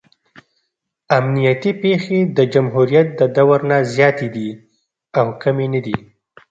امنیتي پېښې د جمهوریت د دور نه زیاتې دي او کمې نه دي.